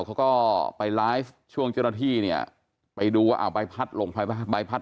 เขาก็ไปไลฟ์ช่วงเจ้าหน้าที่เนี่ยไปดูว่าเอาใบพัดหลงใบพัด